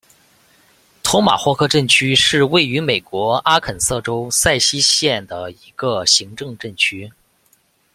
托马霍克镇区是位于美国阿肯色州瑟西县的一个行政镇区。